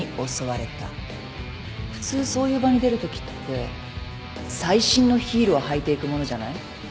普通そういう場に出るときって最新のヒールを履いていくものじゃない？